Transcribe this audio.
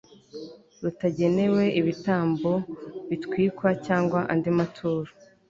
rutagenewe ibitambo bitwikwa cyangwa andi maturo